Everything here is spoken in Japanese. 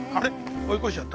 追い越しちゃった。